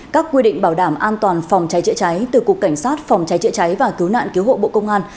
các quy định bảo đảm an toàn phòng cháy chữa cháy từ cục cảnh sát phòng cháy chữa cháy và cứu nạn cứu hộ bộ công an